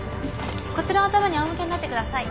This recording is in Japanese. こちらを頭にあお向けになってください。